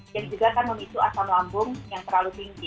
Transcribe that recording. jadi juga akan memicu asam lambung yang terlalu tinggi